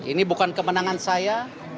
ini bukan kemenangan saya